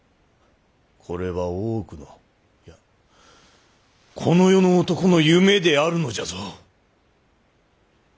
これは大奥のいやこの世の男の夢であるのじゃぞ。